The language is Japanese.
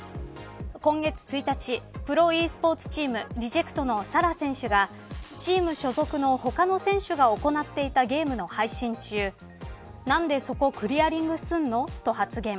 今月１日、プロｅスポーツチームＲＥＪＥＣＴのＳａＲａ選手がチーム所属の他の選手が行っていたゲームの配信中なんでそこクリアリングすんの、と発言。